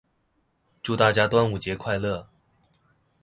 祝大家端午節快樂